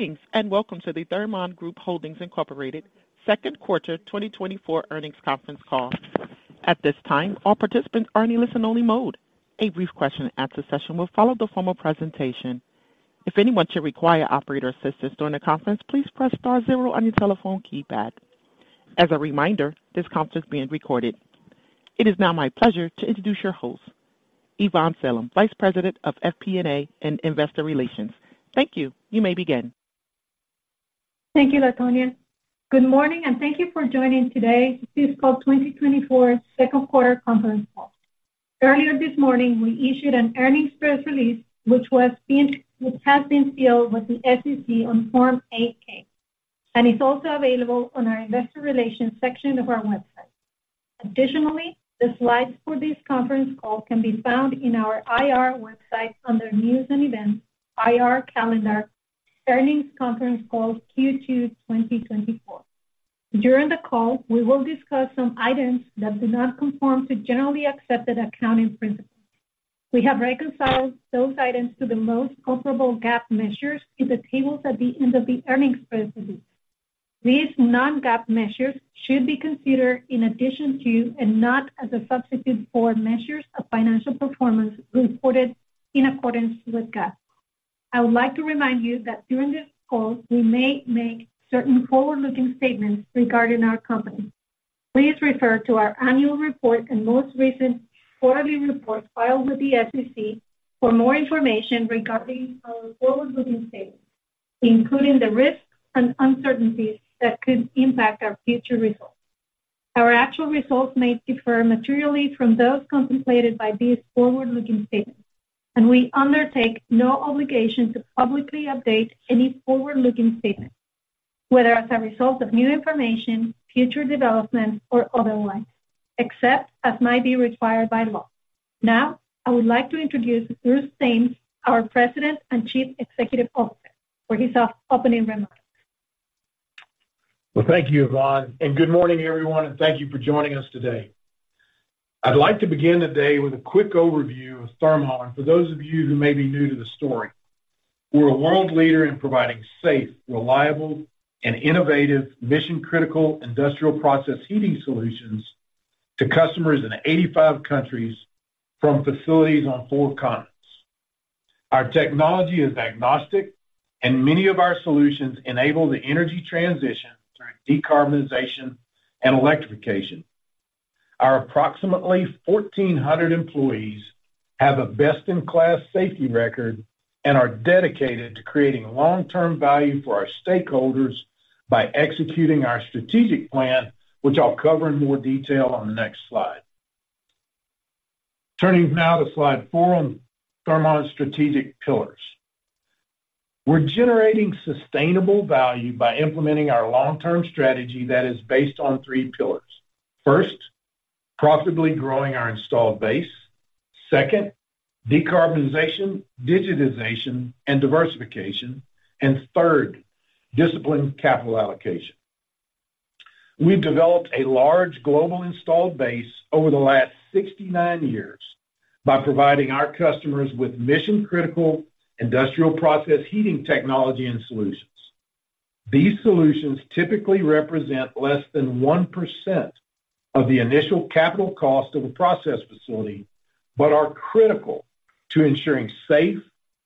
Greetings, and welcome to the Thermon Group Holdings Incorporated second quarter 2024 earnings conference call. At this time, all participants are in a listen-only mode. A brief question and answer session will follow the formal presentation. If anyone should require operator assistance during the conference, please press star zero on your telephone keypad. As a reminder, this conference is being recorded. It is now my pleasure to introduce your host, Ivonne Salem, Vice President of FP&A and Investor Relations. Thank you. You may begin. Thank you, Latonya. Good morning, and thank you for joining today's fiscal 2024 second quarter conference call. Earlier this morning, we issued an earnings press release, which has been filed with the SEC on Form 8-K, and it's also available on our investor relations section of our website. Additionally, the slides for this conference call can be found in our IR website under News and Events, IR Calendar, Earnings Conference Call Q2 2024. During the call, we will discuss some items that do not conform to generally accepted accounting principles. We have reconciled those items to the most comparable GAAP measures in the tables at the end of the earnings press release. These non-GAAP measures should be considered in addition to, and not as a substitute for, measures of financial performance reported in accordance with GAAP. I would like to remind you that during this call, we may make certain forward-looking statements regarding our company. Please refer to our annual report and most recent quarterly report filed with the SEC for more information regarding our forward-looking statements, including the risks and uncertainties that could impact our future results. Our actual results may differ materially from those contemplated by these forward-looking statements, and we undertake no obligation to publicly update any forward-looking statements, whether as a result of new information, future developments, or otherwise, except as might be required by law. Now, I would like to introduce Bruce Thames, our President and Chief Executive Officer, for his opening remarks. Well, thank you, Ivonne, and good morning, everyone, and thank you for joining us today. I'd like to begin today with a quick overview of Thermon, for those of you who may be new to the story. We're a world leader in providing safe, reliable, and innovative mission-critical industrial process heating solutions to customers in 85 countries from facilities on four continents. Our technology is agnostic, and many of our solutions enable the energy transition through decarbonization and electrification. Our approximately 1400 employees have a best-in-class safety record and are dedicated to creating long-term value for our stakeholders by executing our strategic plan, which I'll cover in more detail on the next slide. Turning now to slide four on Thermon's strategic pillars. We're generating sustainable value by implementing our long-term strategy that is based on three pillars. First, profitably growing our installed base. Second, decarbonization, digitization, and diversification. Third, disciplined capital allocation. We've developed a large global installed base over the last 69 years by providing our customers with mission-critical industrial process heating technology and solutions. These solutions typically represent less than 1% of the initial capital cost of a process facility, but are critical to ensuring safe,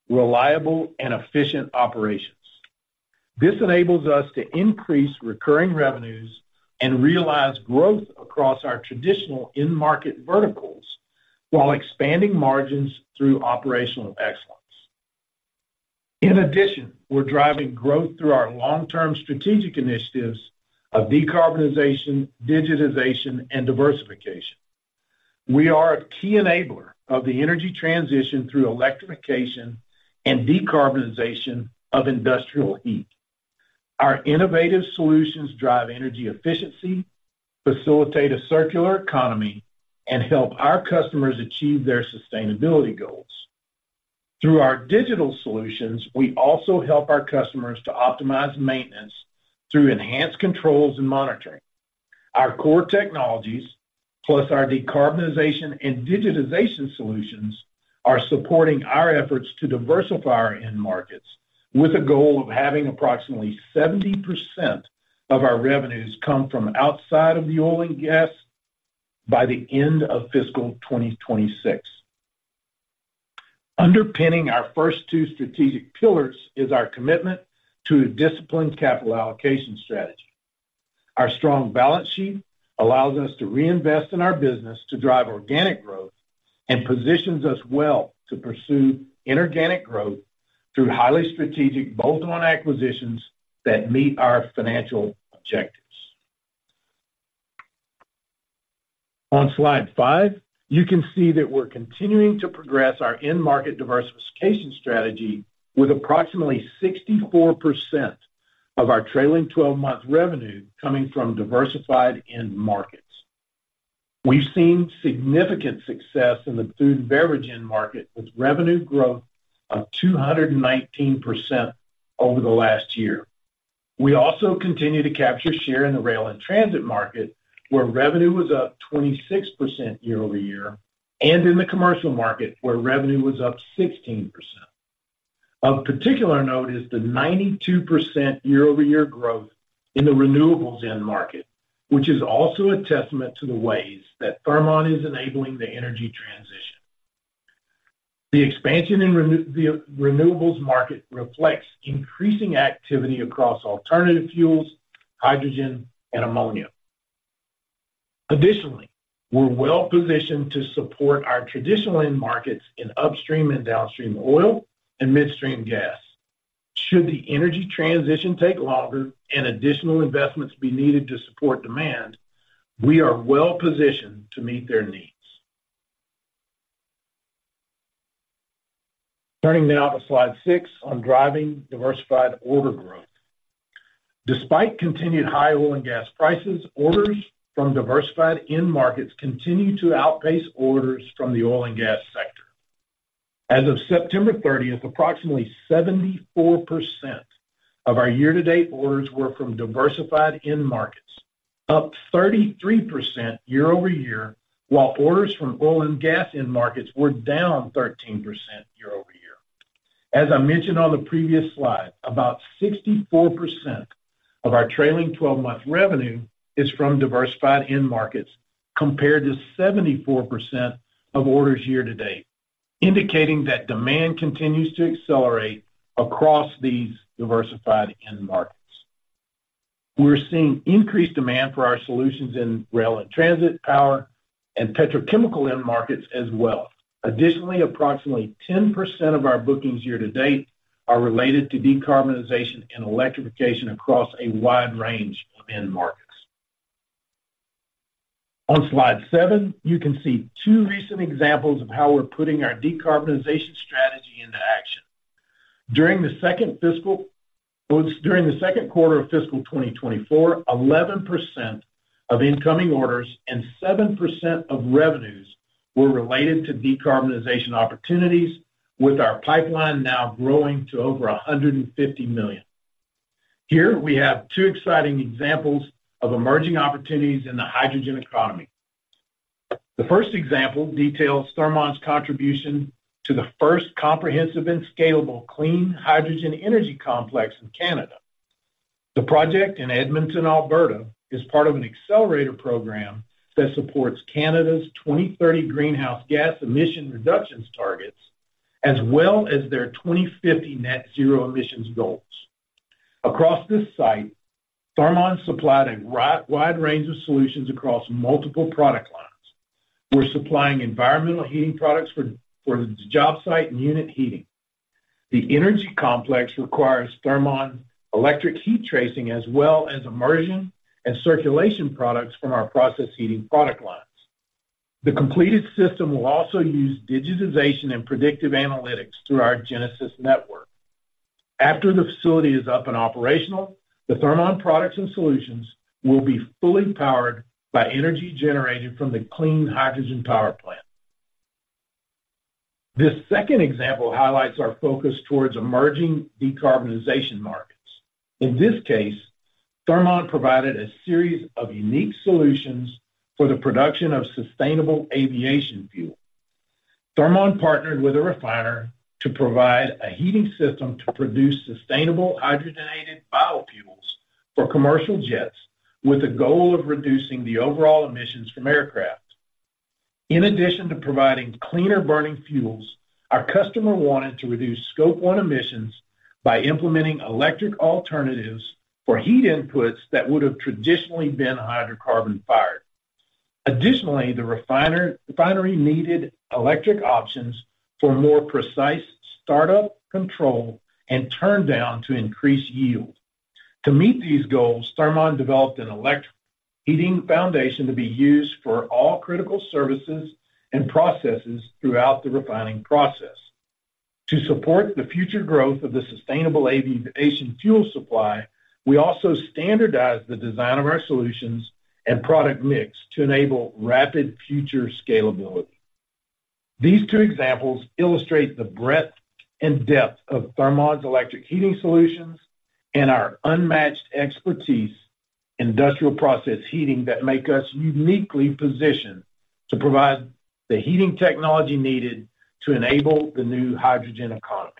reliable, and efficient operations. This enables us to increase recurring revenues and realize growth across our traditional end market verticals, while expanding margins through operational excellence. In addition, we're driving growth through our long-term strategic initiatives of decarbonization, digitization, and diversification. We are a key enabler of the energy transition through electrification and decarbonization of industrial heat. Our innovative solutions drive energy efficiency, facilitate a circular economy, and help our customers achieve their sustainability goals. Through our digital solutions, we also help our customers to optimize maintenance through enhanced controls and monitoring. Our core technologies, plus our decarbonization and digitization solutions, are supporting our efforts to diversify our end markets with a goal of having approximately 70% of our revenues come from outside of the oil and gas by the end of fiscal 2026. Underpinning our first two strategic pillars is our commitment to a disciplined capital allocation strategy. Our strong balance sheet allows us to reinvest in our business to drive organic growth and positions us well to pursue inorganic growth through highly strategic bolt-on acquisitions that meet our financial objectives. On slide five, you can see that we're continuing to progress our end market diversification strategy with approximately 64% of our trailing 12-month revenue coming from diversified end markets. We've seen significant success in the food and beverage end market, with revenue growth of 219% over the last year. We also continue to capture share in the rail and transit market, where revenue was up 26% year-over-year, and in the commercial market, where revenue was up 16%. Of particular note is the 92% year-over-year growth in the renewables end market, which is also a testament to the ways that Thermon is enabling the energy transition. The expansion in the renewables market reflects increasing activity across alternative fuels, hydrogen, and ammonia. Additionally, we're well-positioned to support our traditional end markets in upstream and downstream oil and midstream gas. Should the energy transition take longer and additional investments be needed to support demand, we are well-positioned to meet their needs. Turning now to slide six on driving diversified order growth. Despite continued high oil and gas prices, orders from diversified end markets continue to outpace orders from the oil and gas sector. As of September 30, approximately 74% of our year-to-date orders were from diversified end markets, up 33% year-over-year, while orders from oil and gas end markets were down 13% year-over-year. As I mentioned on the previous slide, about 64% of our trailing 12-month revenue is from diversified end markets, compared to 74% of orders year to date, indicating that demand continues to accelerate across these diversified end markets. We're seeing increased demand for our solutions in rail and transit, power, and petrochemical end markets as well. Additionally, approximately 10% of our bookings year to date are related to decarbonization and electrification across a wide range of end markets. On slide seven, you can see two recent examples of how we're putting our decarbonization strategy into action. During the second fiscal quarter of fiscal 2024, 11% of incoming orders and 7% of revenues were related to decarbonization opportunities, with our pipeline now growing to over $150 million. Here we have two exciting examples of emerging opportunities in the hydrogen economy. The first example details Thermon's contribution to the first comprehensive and scalable clean hydrogen energy complex in Canada. The project in Edmonton, Alberta, is part of an accelerator program that supports Canada's 2030 greenhouse gas emission reductions targets, as well as their 2050 net zero emissions goals. Across this site, Thermon supplied a wide range of solutions across multiple product lines. We're supplying environmental heating products for the job site and unit heating. The energy complex requires Thermon electric heat tracing, as well as immersion and circulation products from our process heating product lines. The completed system will also use digitization and predictive analytics through our Genesis Network. After the facility is up and operational, the Thermon products and solutions will be fully powered by energy generated from the clean hydrogen power plant. This second example highlights our focus towards emerging decarbonization markets. In this case, Thermon provided a series of unique solutions for the production of sustainable aviation fuel. Thermon partnered with a refiner to provide a heating system to produce sustainable hydrogenated biofuels for commercial jets, with the goal of reducing the overall emissions from aircraft. In addition to providing cleaner-burning fuels, our customer wanted to reduce Scope 1 emissions by implementing electric alternatives for heat inputs that would have traditionally been hydrocarbon-fired. Additionally, the refinery needed electric options for more precise startup, control, and turndown to increase yield. To meet these goals, Thermon developed an electric heating foundation to be used for all critical services and processes throughout the refining process. To support the future growth of the sustainable aviation fuel supply, we also standardized the design of our solutions and product mix to enable rapid future scalability. These two examples illustrate the breadth and depth of Thermon's electric heating solutions and our unmatched expertise in industrial process heating that make us uniquely positioned to provide the heating technology needed to enable the new hydrogen economy.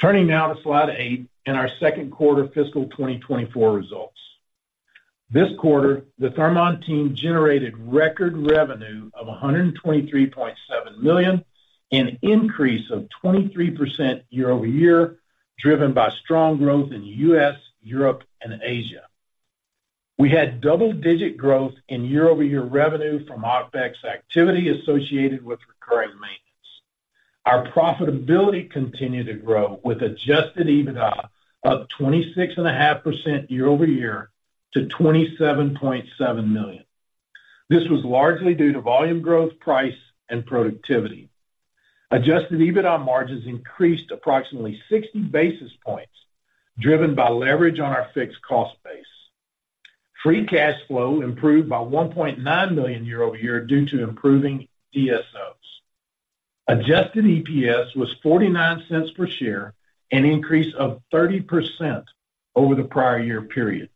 Turning now to slide eight and our second quarter fiscal 2024 results. This quarter, the Thermon team generated record revenue of $123.7 million, an increase of 23% year-over-year, driven by strong growth in U.S., Europe, and Asia. We had double-digit growth in year-over-year revenue from OpEx activity associated with recurring maintenance. Our profitability continued to grow, with Adjusted EBITDA up 26.5% year-over-year to $27.7 million. This was largely due to volume growth, price, and productivity. Adjusted EBITDA margins increased approximately 60 basis points, driven by leverage on our fixed cost base.... Free cash flow improved by $1.9 million year-over-year due to improving DSOs. Adjusted EPS was $0.49 per share, an increase of 30% over the prior year period.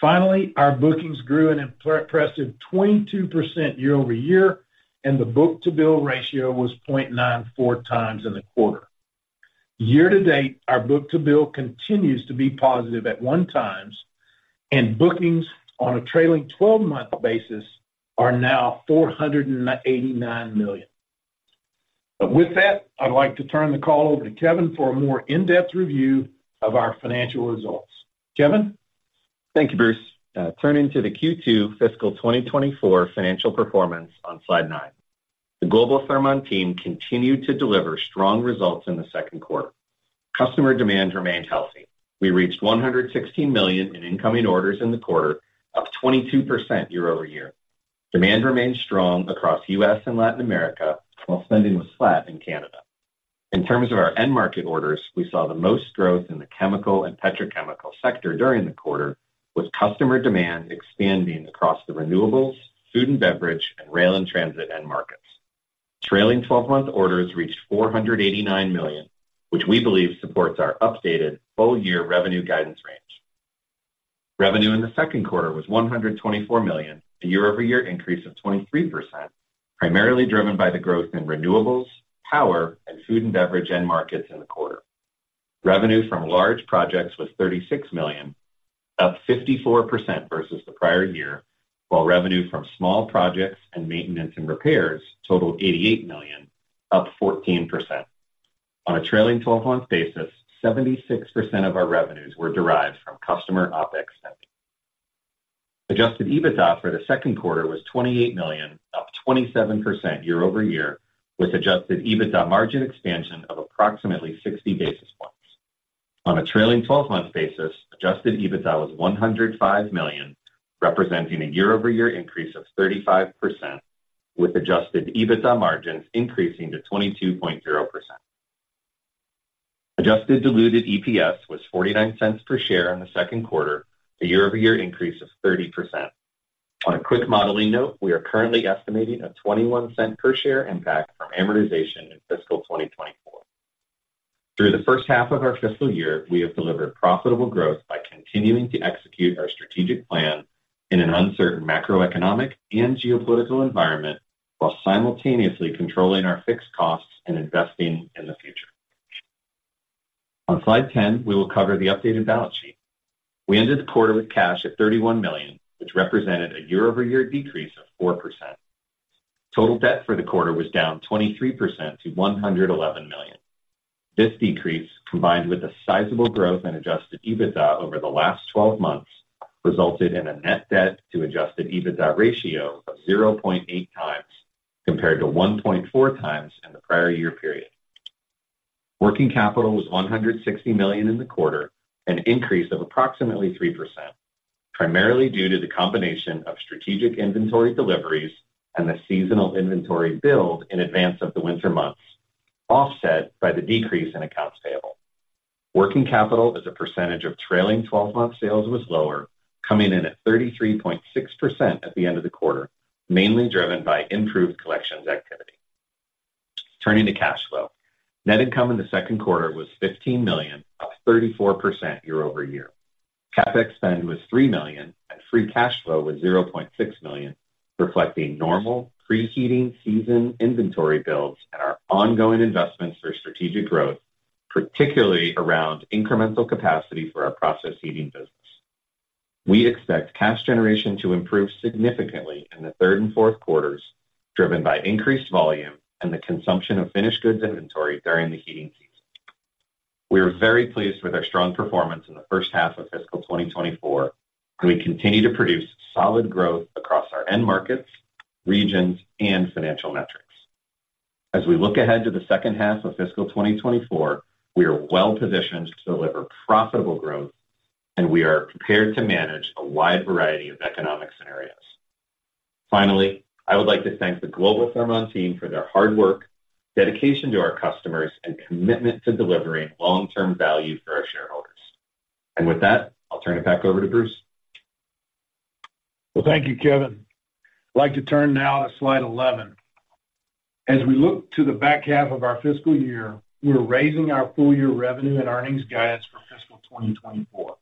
Finally, our bookings grew an impressive 22% year-over-year, and the book-to-bill ratio was 0.94x in the quarter. Year to date, our book-to-bill continues to be positive at 1x, and bookings on a trailing twelve-month basis are now $489 million. But with that, I'd like to turn the call over to Kevin for a more in-depth review of our financial results. Kevin? Thank you, Bruce. Turning to the Q2 fiscal 2024 financial performance on slide nine. The Global Thermon team continued to deliver strong results in the second quarter. Customer demand remained healthy. We reached $116 million in incoming orders in the quarter, up 22% year-over-year. Demand remained strong across U.S. and Latin America, while spending was flat in Canada. In terms of our end market orders, we saw the most growth in the chemical and petrochemical sector during the quarter, with customer demand expanding across the renewables, food and beverage, and rail and transit end markets. Trailing 12-month orders reached $489 million, which we believe supports our updated full year revenue guidance range. Revenue in the second quarter was $124 million, a year-over-year increase of 23%, primarily driven by the growth in renewables, power, and food and beverage end markets in the quarter. Revenue from large projects was $36 million, up 54% versus the prior year, while revenue from small projects and maintenance and repairs totaled $88 million, up 14%. On a trailing 12-month basis, 76% of our revenues were derived from customer OpEx spending. Adjusted EBITDA for the second quarter was $28 million, up 27% year-over-year, with Adjusted EBITDA margin expansion of approximately 60 basis points. On a trailing 12-month basis, Adjusted EBITDA was $105 million, representing a year-over-year increase of 35%, with Adjusted EBITDA margins increasing to 22.0%. Adjusted diluted EPS was $0.49 per share in the second quarter, a year-over-year increase of 30%. On a quick modeling note, we are currently estimating a $0.21 per share impact from amortization in fiscal 2024. Through the first half of our fiscal year, we have delivered profitable growth by continuing to execute our strategic plan in an uncertain macroeconomic and geopolitical environment, while simultaneously controlling our fixed costs and investing in the future. On slide 10, we will cover the updated balance sheet. We ended the quarter with cash at $31 million, which represented a year-over-year decrease of 4%. Total debt for the quarter was down 23% to $111 million. This decrease, combined with a sizable growth in Adjusted EBITDA over the last 12 months, resulted in a net debt to Adjusted EBITDA ratio of 0.8x, compared to 1.4x in the prior year period. Working capital was $160 million in the quarter, an increase of approximately 3%, primarily due to the combination of strategic inventory deliveries and the seasonal inventory build in advance of the winter months, offset by the decrease in accounts payable. Working capital as a percentage of trailing twelve-month sales was lower, coming in at 33.6% at the end of the quarter, mainly driven by improved collections activity. Turning to cash flow. Net income in the second quarter was $15 million, up 34% year-over-year. CapEx spend was $3 million, and free cash flow was $0.6 million, reflecting normal pre-heating season inventory builds and our ongoing investments for strategic growth, particularly around incremental capacity for our process heating business. We expect cash generation to improve significantly in the third and fourth quarters, driven by increased volume and the consumption of finished goods inventory during the heating season. We are very pleased with our strong performance in the first half of fiscal 2024, and we continue to produce solid growth across our end markets, regions, and financial metrics. As we look ahead to the second half of fiscal 2024, we are well positioned to deliver profitable growth, and we are prepared to manage a wide variety of economic scenarios. Finally, I would like to thank the Global Thermon team for their hard work, dedication to our customers, and commitment to delivering long-term value for our shareholders. And with that, I'll turn it back over to Bruce. Well, thank you, Kevin. I'd like to turn now to slide 11. As we look to the back half of our fiscal year, we are raising our full year revenue and earnings guidance for fiscal 2024.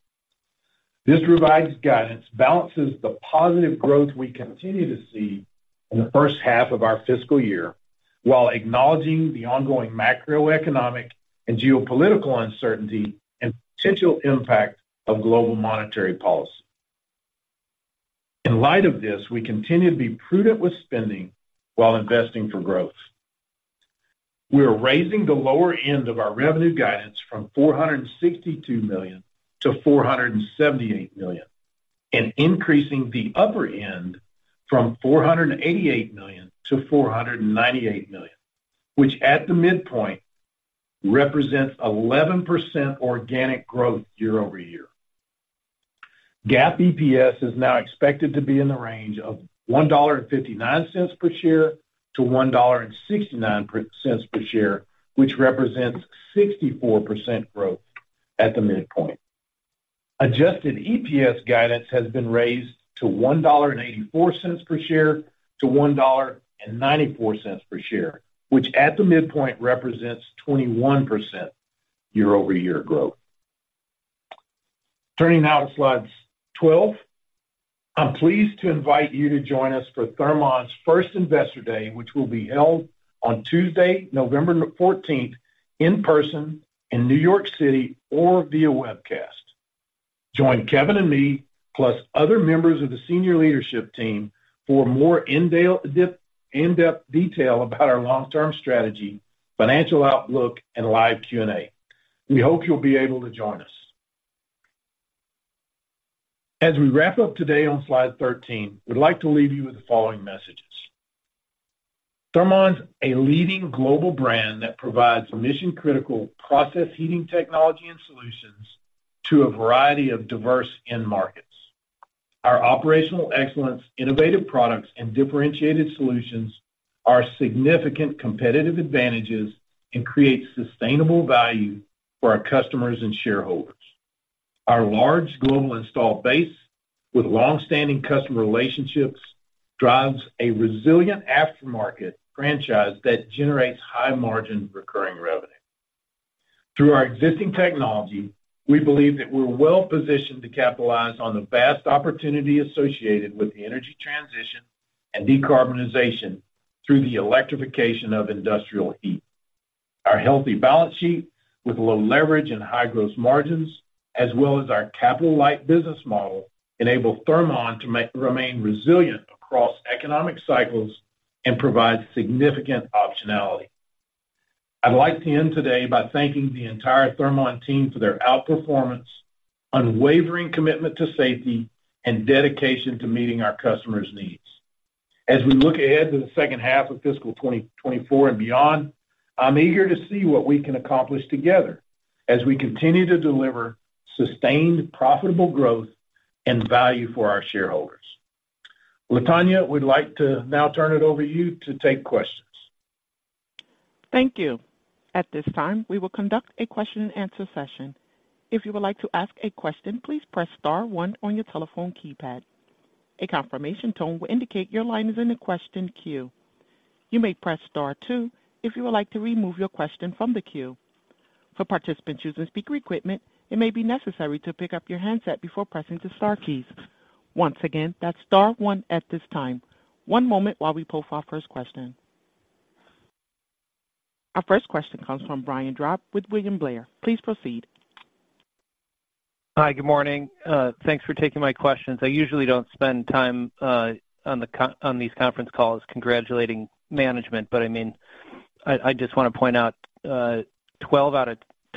This revised guidance balances the positive growth we continue to see in the first half of our fiscal year, while acknowledging the ongoing macroeconomic and geopolitical uncertainty and potential impact of global monetary policy. In light of this, we continue to be prudent with spending while investing for growth. We are raising the lower end of our revenue guidance from $462 million-$478 million, and increasing the upper end from $488 million-$498 million, which at the midpoint, represents 11% organic growth year-over-year. GAAP EPS is now expected to be in the range of $1.59 per share-$1.69 per share, which represents 64% growth at the midpoint. Adjusted EPS guidance has been raised to $1.84 per share-$1.94 per share, which at the midpoint represents 21% year-over-year growth. Turning now to slide 12. I'm pleased to invite you to join us for Thermon's first Investor Day, which will be held on Tuesday, November 14th, in person in New York City or via webcast. Join Kevin and me, plus other members of the senior leadership team, for more in-depth detail about our long-term strategy, financial outlook, and live Q&A. We hope you'll be able to join us. As we wrap up today on slide 13, we'd like to leave you with the following messages: Thermon's a leading global brand that provides mission-critical process, heating technology, and solutions to a variety of diverse end markets. Our operational excellence, innovative products, and differentiated solutions are significant competitive advantages and create sustainable value for our customers and shareholders. Our large global installed base, with longstanding customer relationships, drives a resilient aftermarket franchise that generates high-margin recurring revenue. Through our existing technology, we believe that we're well positioned to capitalize on the vast opportunity associated with the energy transition and decarbonization through the electrification of industrial heat. Our healthy balance sheet, with low leverage and high gross margins, as well as our capital-light business model, enable Thermon to remain resilient across economic cycles and provide significant optionality. I'd like to end today by thanking the entire Thermon team for their outperformance, unwavering commitment to safety, and dedication to meeting our customers' needs. As we look ahead to the second half of fiscal 2024 and beyond, I'm eager to see what we can accomplish together as we continue to deliver sustained, profitable growth and value for our shareholders. Latonya, we'd like to now turn it over to you to take questions. Thank you. At this time, we will conduct a question-and-answer session. If you would like to ask a question, please press star one on your telephone keypad. A confirmation tone will indicate your line is in the question queue. You may press star two if you would like to remove your question from the queue. For participants using speaker equipment, it may be necessary to pick up your handset before pressing the star keys. Once again, that's star one at this time. One moment while we pull for our first question. Our first question comes from Brian Drab with William Blair. Please proceed. Hi, good morning. Thanks for taking my questions. I usually don't spend time on these conference calls congratulating management, but I mean, I just want to point out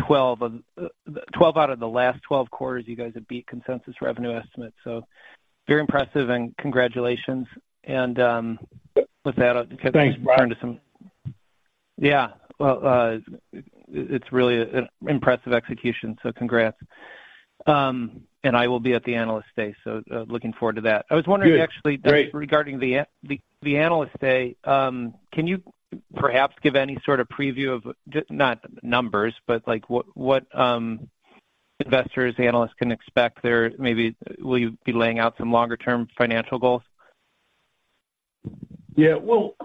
12 out of the last 12 quarters, you guys have beat consensus revenue estimates, so very impressive and congratulations. With that, I'll turn to some- Thanks, Brian. Yeah. Well, it's really an impressive execution, so congrats. And I will be at the Analyst Day, so, looking forward to that. Good. Great. I was wondering, actually, regarding the Investor Day, can you perhaps give any sort of preview? Not numbers, but, like, what investors and analysts can expect there? Maybe, will you be laying out some longer-term financial goals? Yeah, well,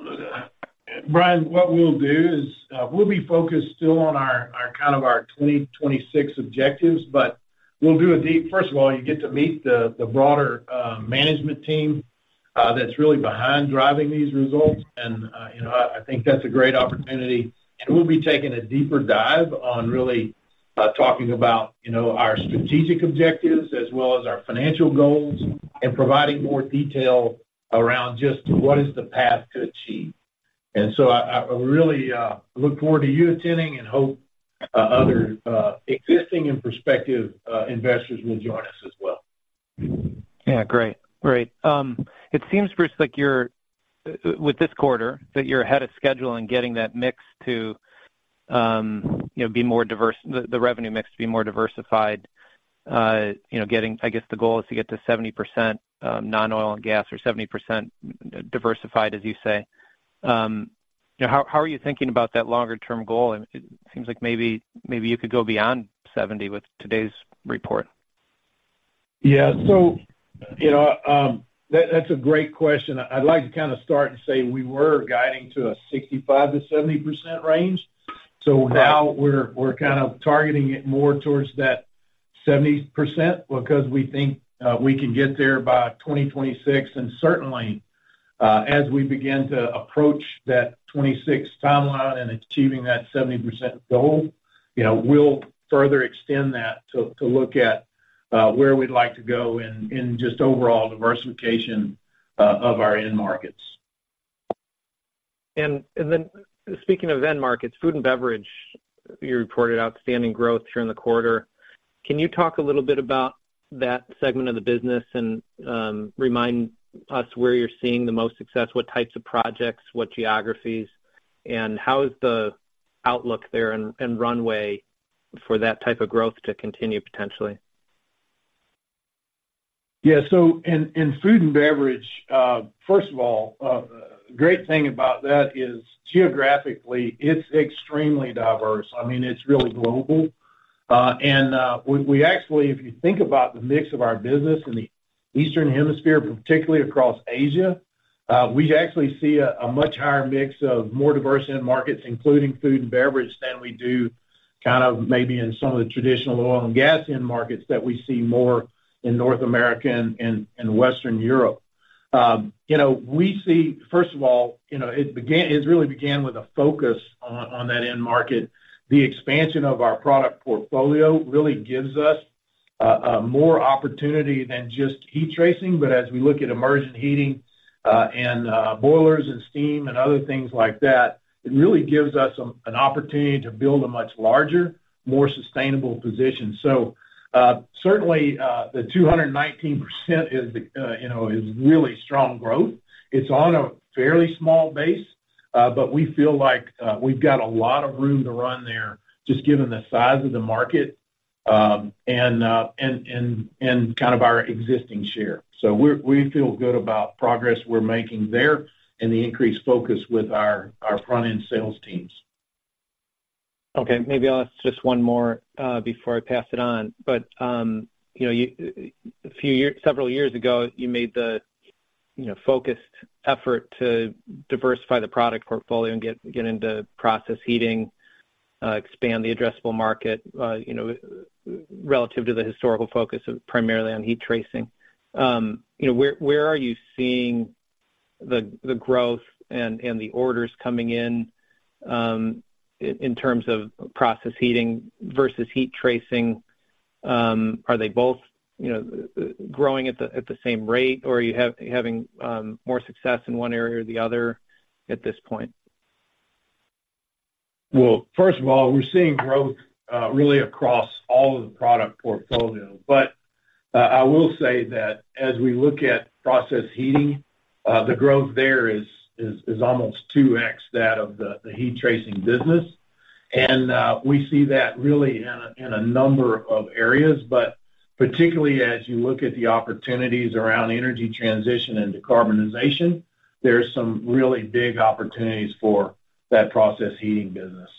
Brian, what we'll do is, we'll be focused still on our kind of our 2026 objectives, but first of all, you get to meet the broader management team that's really behind driving these results. And you know, I think that's a great opportunity. And we'll be taking a deeper dive on really talking about, you know, our strategic objectives as well as our financial goals, and providing more detail around just what is the path to achieve. And so I really look forward to you attending and hope other existing and prospective investors will join us as well. Yeah, great. Great. It seems, Bruce, like you're with this quarter, that you're ahead of schedule in getting that mix to, you know, be more diverse, the revenue mix to be more diversified. I guess the goal is to get to 70% on oil and gas, or 70% diversified as you say. How are you thinking about that longer-term goal? And it seems like maybe, maybe you could go beyond 70% with today's report. Yeah. So, you know, that, that's a great question. I'd like to kind of start and say we were guiding to a 65%-70% range, so now we're, we're kind of targeting it more towards that 70% because we think we can get there by 2026. And certainly, as we begin to approach that 2026 timeline and achieving that 70% goal, you know, we'll further extend that to, to look at, where we'd like to go in, in just overall diversification, of our end markets. And then speaking of end markets, food and beverage, you reported outstanding growth during the quarter. Can you talk a little bit about that segment of the business and remind us where you're seeing the most success, what types of projects, what geographies, and how is the outlook there and runway for that type of growth to continue potentially? Yeah, so in food and beverage, first of all, the great thing about that is geographically, it's extremely diverse. I mean, it's really global. We actually, if you think about the mix of our business in the eastern hemisphere, particularly across Asia, we actually see a much higher mix of more diverse end markets, including food and beverage, than we do kind of maybe in some of the traditional oil and gas end markets that we see more in North America and Western Europe. You know, we see, first of all, you know, it really began with a focus on that end market. The expansion of our product portfolio really gives us a more opportunity than just heat tracing. But as we look at immersion heating, and boilers and steam and other things like that, it really gives us an opportunity to build a much larger, more sustainable position. So, certainly, the 219% is, you know, really strong growth. It's on a fairly small base, but we feel like, we've got a lot of room to run there, just given the size of the market, and kind of our existing share. So, we're we feel good about progress we're making there and the increased focus with our front-end sales teams. Okay, maybe I'll ask just one more, before I pass it on. But, you know, you a few years, several years ago, you made the, you know, focused effort to diversify the product portfolio and get into process heating, expand the addressable market, you know, relative to the historical focus of primarily on heat tracing. You know, where are you seeing the growth and the orders coming in, in terms of process heating versus heat tracing? Are they both, you know, growing at the same rate, or are you having more success in one area or the other at this point? Well, first of all, we're seeing growth, really across all of the product portfolio. But, I will say that as we look at process heating, the growth there is almost 2x that of the heat tracing business. And, we see that really in a number of areas, but particularly as you look at the opportunities around energy transition and decarbonization, there's some really big opportunities for that process heating business.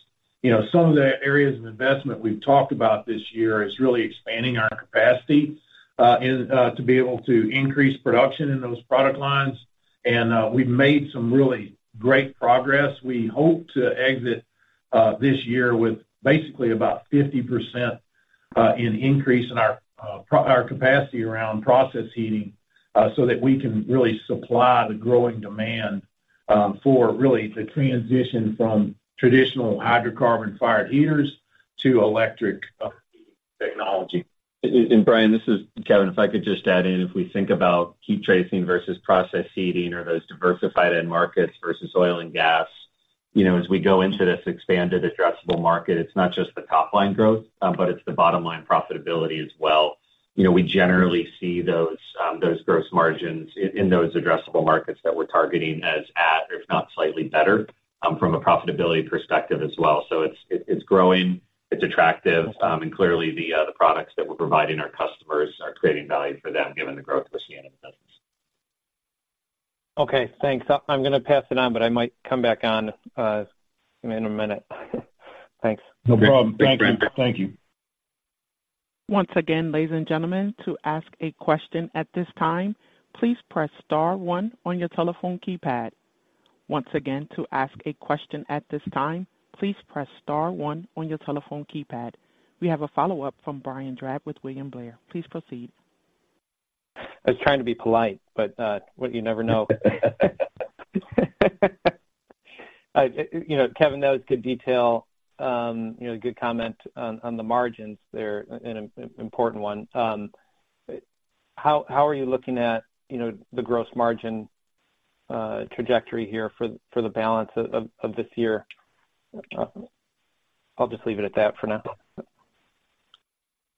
You know, some of the areas of investment we've talked about this year is really expanding our capacity, and to be able to increase production in those product lines. And, we've made some really great progress. We hope to exit this year with basically about 50% increase in our capacity around process heating, so that we can really supply the growing demand for really the transition from traditional hydrocarbon-fired heaters to electric heating technology. And Brian, this is Kevin. If I could just add in, if we think about heat tracing versus process heating or those diversified end markets versus oil and gas, you know, as we go into this expanded addressable market, it's not just the top-line growth, but it's the bottom-line profitability as well. You know, we generally see those, those gross margins in those addressable markets that we're targeting as at, if not slightly better, from a profitability perspective as well. So it's, it's, it's growing, it's attractive, and clearly the, the products that we're providing our customers are creating value for them, given the growth we're seeing in the business. Okay, thanks, I'm gonna pass it on, but I might come back on, in a minute. Thanks. No problem. Thanks, Brian. Thank you. Once again, ladies and gentlemen, to ask a question at this time, please press star one on your telephone keypad. Once again, to ask a question at this time, please press star one on your telephone keypad. We have a follow-up from Brian Drab with William Blair. Please proceed. I was trying to be polite, but, well, you never know. You know, Kevin, that was good detail. You know, good comment on the margins there, an important one. How are you looking at, you know, the gross margin trajectory here for the balance of this year? I'll just leave it at that for now.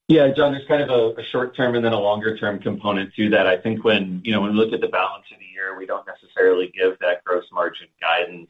Yeah, John, there's kind of a short term and then a longer-term component to that. I think when, you know, when we look at the balance of the year, we don't necessarily give that gross margin guidance.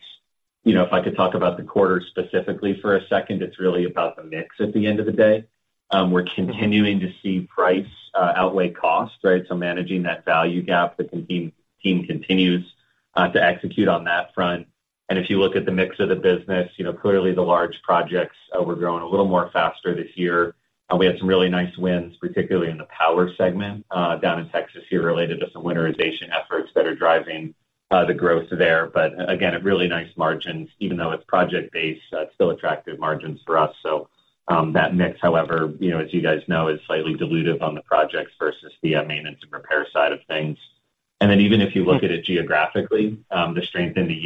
You know, if I could talk about the quarter specifically for a second, it's really about the mix at the end of the day. We're continuing to see price outweigh cost, right? So managing that value gap, the team continues to execute on that front. And if you look at the mix of the business, you know, clearly the large projects we're growing a little more faster this year. We had some really nice wins, particularly in the power segment, down in Texas here, related to some winterization efforts that are driving the growth there. But again, a really nice margins, even though it's project-based, it's still attractive margins for us. So, that mix, however, you know, as you guys know, is slightly dilutive on the projects versus the, maintenance and repair side of things. And then even if you look at it geographically, the strength in the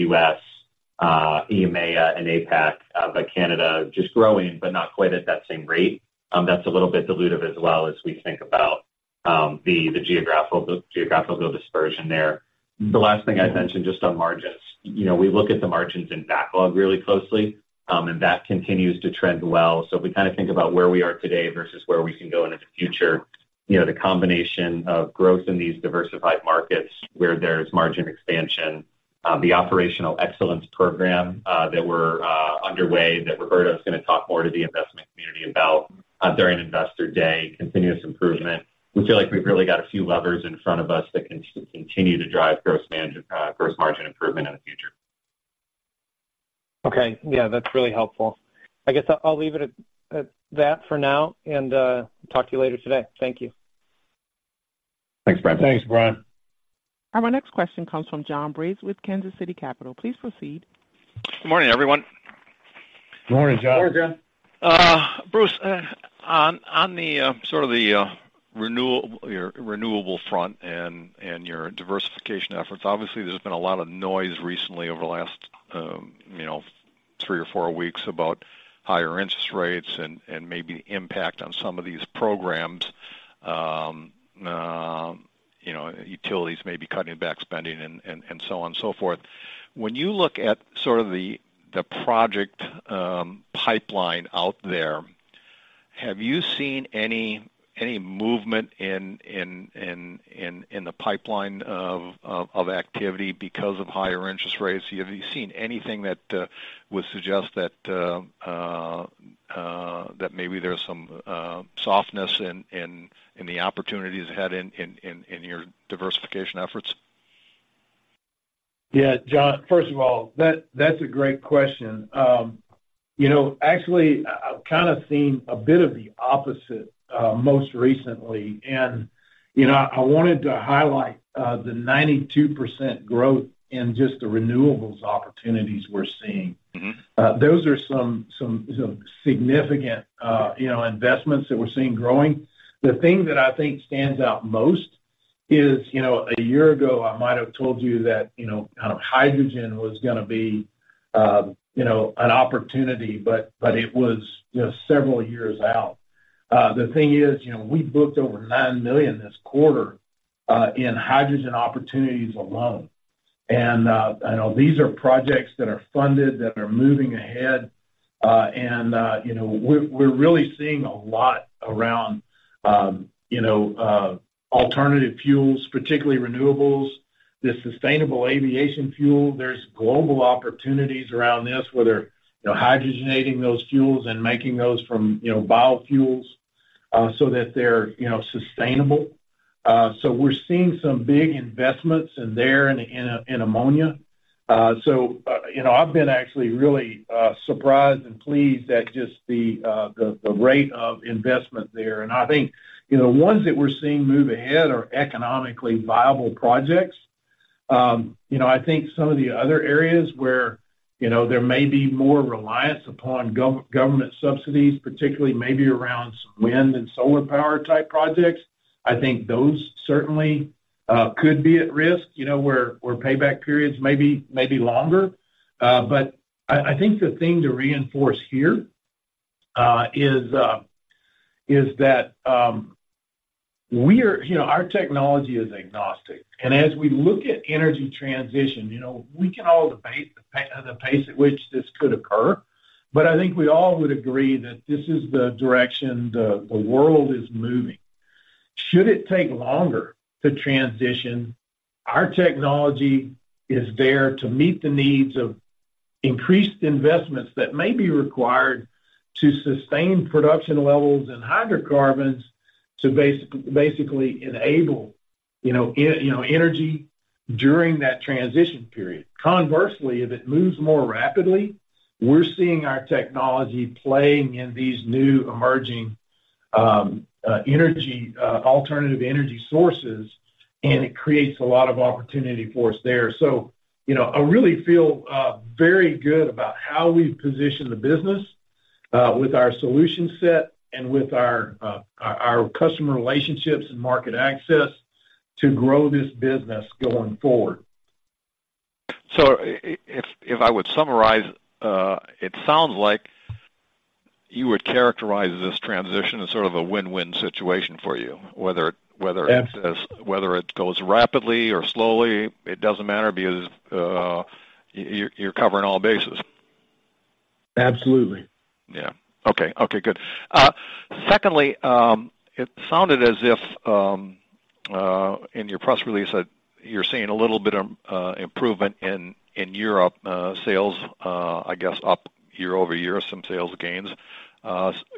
US, EMEA and APAC, but Canada just growing, but not quite at that same rate, that's a little bit dilutive as well as we think about, the geographical dispersion there. The last thing I'd mention, just on margins, you know, we look at the margins in backlog really closely, and that continues to trend well. So we kind of think about where we are today versus where we can go into the future. You know, the combination of growth in these diversified markets where there's margin expansion, the operational excellence program that we're underway, that Roberto is going to talk more to you about during Investor Day, continuous improvement. We feel like we've really got a few levers in front of us that can continue to drive gross margin improvement in the future. Okay. Yeah, that's really helpful. I guess I'll leave it at that for now, and talk to you later today. Thank you. Thanks, Brian. Thanks, Brian. Our next question comes from John Braatz with Kansas City Capital. Please proceed. Good morning, everyone. Good morning, John. Good morning, John. Bruce, on the sort of the renewable front and your diversification efforts, obviously, there's been a lot of noise recently over the last, you know, three or four weeks about higher interest rates and maybe impact on some of these programs. You know, utilities may be cutting back spending and so on and so forth. When you look at sort of the project pipeline out there, have you seen any movement in the pipeline of activity because of higher interest rates? Have you seen anything that would suggest that maybe there's some softness in the opportunities ahead in your diversification efforts? Yeah, John, first of all, that, that's a great question. You know, actually, I've kind of seen a bit of the opposite, most recently. You know, I wanted to highlight the 92% growth in just the renewables opportunities we're seeing. Those are some, some, some significant, you know, investments that we're seeing growing. The thing that I think stands out most is, you know, a year ago, I might have told you that, you know, kind of hydrogen was gonna be, you know, an opportunity, but, but it was, you know, several years out. The thing is, you know, we booked over $9 million this quarter in hydrogen opportunities alone. And, these are projects that are funded, that are moving ahead. And you know, we're, we're really seeing a lot around, you know, alternative fuels, particularly renewables. The sustainable aviation fuel, there's global opportunities around this, whether, you know, hydrogenating those fuels and making those from, you know, biofuels, so that they're, you know, sustainable. So we're seeing some big investments in there in ammonia. So, you know, I've been actually really surprised and pleased at just the rate of investment there. And I think, you know, the ones that we're seeing move ahead are economically viable projects. You know, I think some of the other areas where, you know, there may be more reliance upon government subsidies, particularly maybe around some wind and solar power type projects, I think those certainly could be at risk, you know, where payback periods may be longer. But I think the thing to reinforce here is that we are—you know, our technology is agnostic. As we look at energy transition, you know, we can all debate the pace at which this could occur, but I think we all would agree that this is the direction the, the world is moving. Should it take longer to transition, our technology is there to meet the needs of increased investments that may be required to sustain production levels in hydrocarbons, to basically enable, you know, energy during that transition period. Conversely, if it moves more rapidly, we're seeing our technology playing in these new emerging alternative energy sources, and it creates a lot of opportunity for us there. So, you know, I really feel very good about how we've positioned the business with our solution set and with our customer relationships and market access to grow this business going forward. So if I would summarize, it sounds like you would characterize this transition as sort of a win-win situation for you, whether, whether- Yes... whether it goes rapidly or slowly, it doesn't matter because you're covering all bases. Absolutely. Yeah. Okay. Okay, good. Secondly, it sounded as if in your press release, that you're seeing a little bit of improvement in Europe sales, I guess, up year-over-year, some sales gains.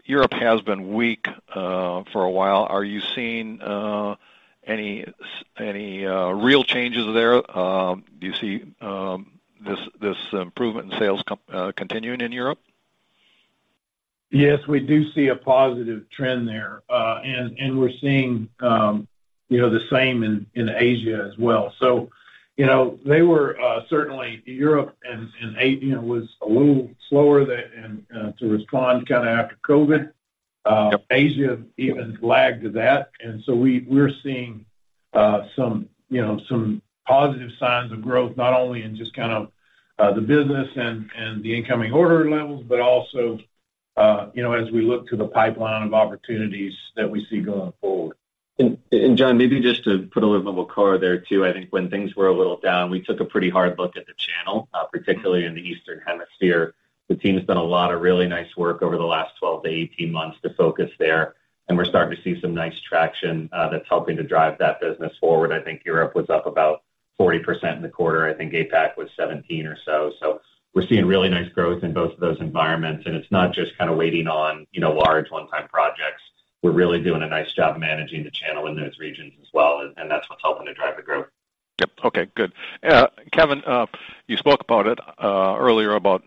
Europe has been weak for a while. Are you seeing any real changes there? Do you see this improvement in sales continuing in Europe? Yes, we do see a positive trend there. And we're seeing, you know, the same in Asia as well. So, you know, they were certainly Europe and Asia was a little slower than to respond kind of after COVID. Asia even lagged to that. And so we're seeing some, you know, some positive signs of growth, not only in just kind of the business and the incoming order levels, but also, you know, as we look to the pipeline of opportunities that we see going forward. John, maybe just to put a little bit more color there, too. I think when things were a little down, we took a pretty hard look at the channel, particularly in the Eastern Hemisphere. The team has done a lot of really nice work over the last 12-18 months to focus there, and we're starting to see some nice traction, that's helping to drive that business forward. I think Europe was up about 40% in the quarter, I think APAC was 17 or so. So we're seeing really nice growth in both of those environments, and it's not just kind of waiting on, you know, large one-time projects. We're really doing a nice job managing the channel in those regions as well, and that's what's helping to drive the growth. Yep. Okay, good. Kevin, you spoke about it earlier about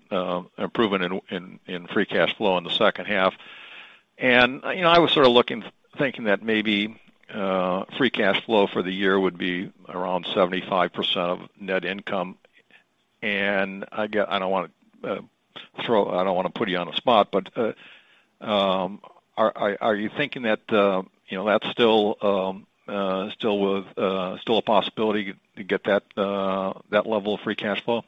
improving in free cash flow in the second half. And, you know, I was sort of looking, thinking that maybe free cash flow for the year would be around 75% of net income. And I get-- I don't wanna throw... I don't wanna put you on the spot, but are you thinking that, you know, that's still a possibility to get that level of free cash flow?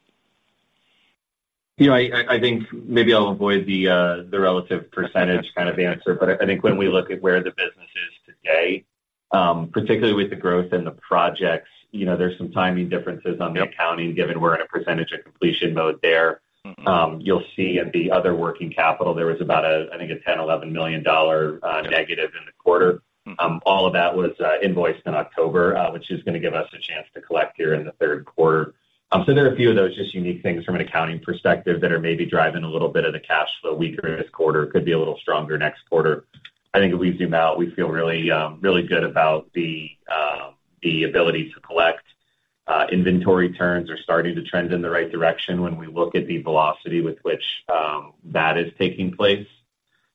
Yeah, I think maybe I'll avoid the relative percentage kind of answer. But I think when we look at where the business is today, particularly with the growth in the projects, you know, there's some timing differences on the accounting, given we're in a percentage of completion mode there. You'll see in the other working capital, there was about a, I think, a $10-$11 million dollar negative in the quarter. All of that was invoiced in October, which is gonna give us a chance to collect here in the third quarter. So there are a few of those just unique things from an accounting perspective, that are maybe driving a little bit of the cash flow weaker in this quarter. Could be a little stronger next quarter. I think if we zoom out, we feel really, really good about the ability to collect. Inventory turns are starting to trend in the right direction when we look at the velocity with which that is taking place.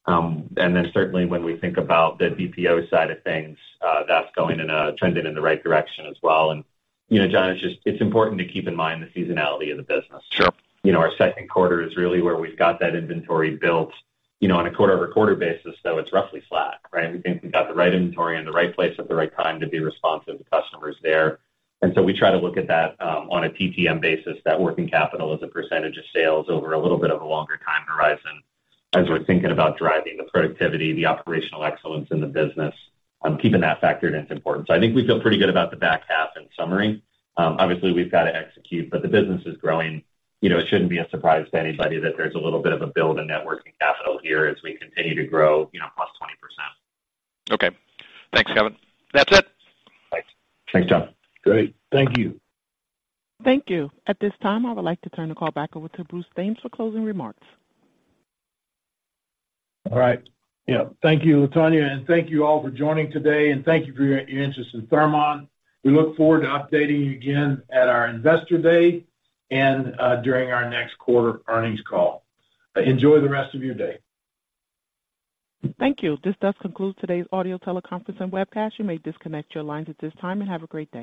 And then certainly when we think about the DPO side of things, that's going in trending in the right direction as well. And, you know, John, it's just, it's important to keep in mind the seasonality of the business. Sure. You know, our second quarter is really where we've got that inventory built. You know, on a quarter-over-quarter basis, though, it's roughly flat, right? We think we've got the right inventory in the right place at the right time to be responsive to customers there. And so we try to look at that, on a TTM basis, that working capital as a percentage of sales over a little bit of a longer time horizon, as we're thinking about driving the productivity, the operational excellence in the business, keeping that factored in, it's important. So I think we feel pretty good about the back half in summary. Obviously, we've got to execute, but the business is growing. You know, it shouldn't be a surprise to anybody that there's a little bit of a build in net working capital here as we continue to grow, you know, plus 20%. Okay. Thanks, Kevin. That's it. Thanks. Thanks, John. Great. Thank you. Thank you. At this time, I would like to turn the call back over to Bruce Thames for closing remarks. All right. Yeah. Thank you, Latonya, and thank you all for joining today, and thank you for your, your interest in Thermon. We look forward to updating you again at our Investor Day and during our next quarter earnings call. Enjoy the rest of your day. Thank you. This does conclude today's audio teleconference and webcast. You may disconnect your lines at this time, and have a great day.